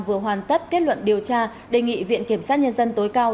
vừa hoàn tất kết luận điều tra đề nghị viện kiểm sát nhân dân tối cao